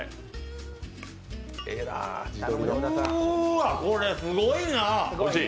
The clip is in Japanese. うーわ、これすごいな。